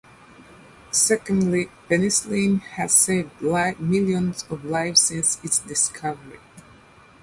Secondly, penicillin has saved millions of lives since its discovery.